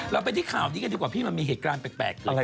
เราไปที่ข่าวนี้กันดีกว่าพี่มันมีเหตุการณ์แปลก